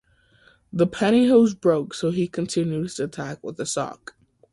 The pantyhose broke, so he continued his attack with a sock.